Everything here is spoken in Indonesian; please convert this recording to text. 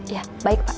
ya baik pak